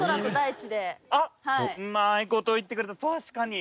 あっうまいこと言ってくれた確かに！